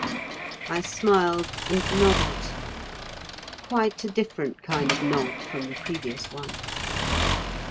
I smiled and nodded. Quite a different kind of nod from the previous one.